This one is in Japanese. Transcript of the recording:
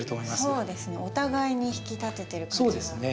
そうですねお互いに引き立ててる感じが。